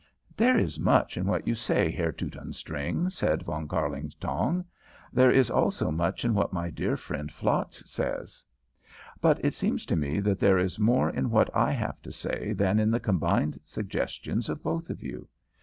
"There is much in what you say, Herr Teutonstring," put in Von Kärlingtongs. "There is also much in what my dear friend Flatz says; but it seems to me that there is more in what I have to say than in the combined suggestions of both of you.